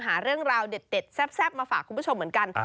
หาเรื่องราวเด็ดแซ่บมาฝากคุณผู้ชมเหมือนกัน